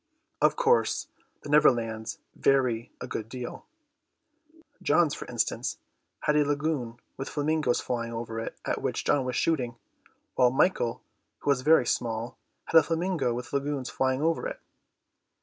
Of course the Neverlands vary a good deal. John's, for instance, had a lagoon with flamingoes flying over it at which John was shooting, while Michael, who was very small, had a flamingo with lagoons flying over it.